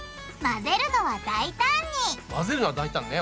混ぜるのは大胆ね。